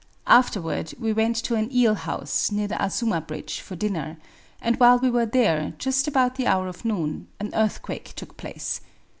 Afterward we went to an eel house, near the Azuma bridge, for dinner; and while we were there — just about the hour of noon — an earth quake took place.